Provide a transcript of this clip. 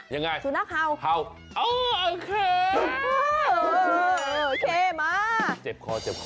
ยังไงโอเคฮ่ามาโอเค